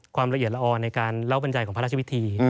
ความละเอียดละออในการเล่าบรรยายของพระราชวิธี